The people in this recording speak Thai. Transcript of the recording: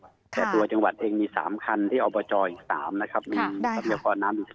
แต่ตัวจังหวัดเองมี๓คันที่อบจอีก๓นะครับมีสัมเมียคอนน้ำอีก๑๒